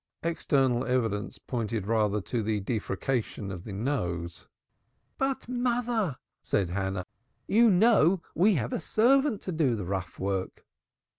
External evidence pointed rather to the defrication of the nose. "But, mother," said Hannah. "You know we have a servant to do the rough work."